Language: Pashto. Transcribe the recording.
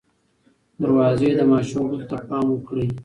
دروازې د ماشوم ګوتو ته پام وکړئ.